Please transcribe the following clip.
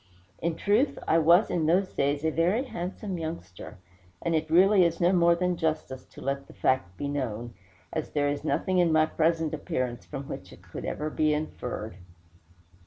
In truth, I was in those days a very handsome youngster, and it really is no more than justice to let the fact be known, as there is nothing in my present appearance from which it could ever be inferred.